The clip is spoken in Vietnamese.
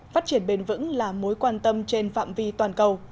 phát triển bền vững là mối quan tâm trên phạm vi toàn cầu